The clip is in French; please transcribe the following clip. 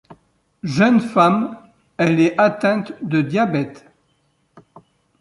Jeune femme, elle est atteinte de diabète.